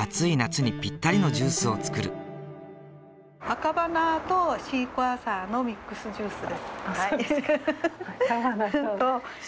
アカバナーとシークワーサーのミックスジュース。